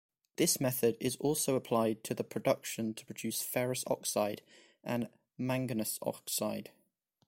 This method is also applied to the production of ferrous oxide and manganous oxide.